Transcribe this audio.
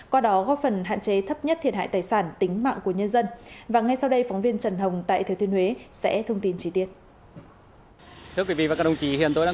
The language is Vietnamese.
qua đó góp phần hạn chế thấp nhất thiệt hại tài sản tính mạng của nhân dân